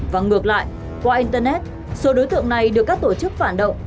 và ngược lại qua internet số đối tượng này được các tổ chức phản động